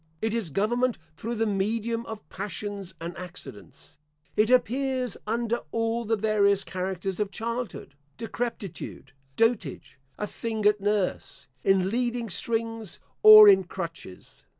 It is government through the medium of passions and accidents. It appears under all the various characters of childhood, decrepitude, dotage, a thing at nurse, in leading strings, or in crutches.